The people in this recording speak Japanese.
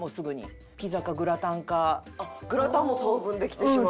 グラタンも等分できてしまう？